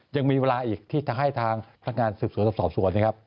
ยังมีเวลาอีกที่จะให้ทางพลัดงานศึกษวนสอบสวน